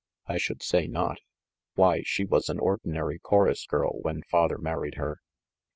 "I should say not! Why, she was an ordinary chorus girl when father married her!"